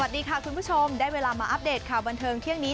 สวัสดีค่ะคุณผู้ชมได้เวลามาอัปเดตข่าวบันเทิงเที่ยงนี้